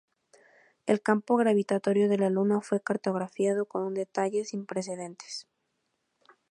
El campo gravitatorio de la Luna fue cartografiado con un detalle sin precedentes.